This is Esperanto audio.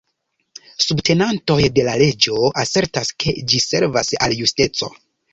Subtenantoj de la leĝo asertas, ke ĝi servas al justeco.